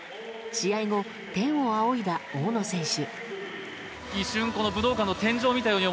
試合後、天を仰いだ大野選手。